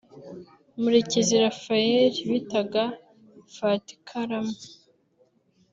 Murekezi Raphael bitaga Fatikaramu